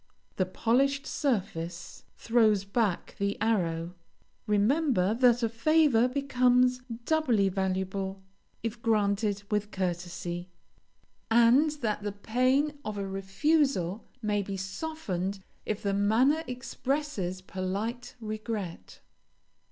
The polished surface throws back the arrow. Remember that a favor becomes doubly valuable if granted with courtesy, and that the pain of a refusal may be softened if the manner expresses polite regret.